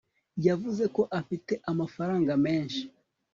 Yavuze ko afite amafaranga menshi